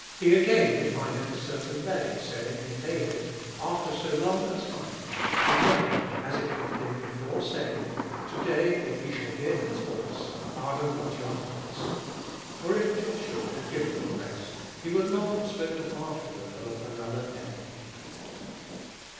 He again defineth a certain day, saying in David, after so long a time To day, as it hath been before said, To day if ye shall hear his voice, Harden not your hearts. 8. For if Joshua had given them rest, he would not have spoken afterward of another day.